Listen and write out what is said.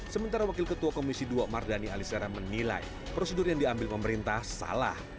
sementara wakil ketua komisi dua mardani alisera menilai prosedur yang diambil pemerintah salah